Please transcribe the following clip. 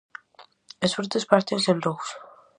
Os frutos pártense en dous.